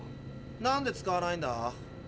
なんで使わないんだ？